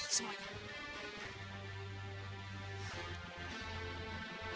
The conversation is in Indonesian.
di mana mereka